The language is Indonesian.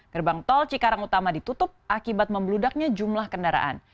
gerbang tol cikarang utama ditutup akibat membeludaknya jumlah kendaraan